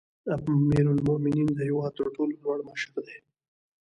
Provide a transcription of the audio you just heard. امیرالمؤمنین د هیواد تر ټولو لوړ مشر دی